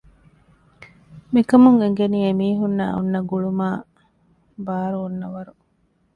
މިކަމުން އެނގެނީ އެމީހުންނާއި އޮންނަ ގުޅުމާއި ބާރު އޮންނަ ވަރު